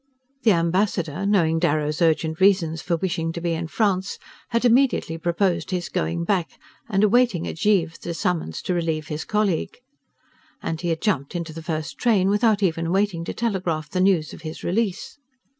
The Ambassador, knowing Darrow's urgent reasons for wishing to be in France, had immediately proposed his going back, and awaiting at Givre the summons to relieve his colleague; and he had jumped into the first train, without even waiting to telegraph the news of his release.